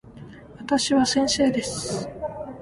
私は先生です。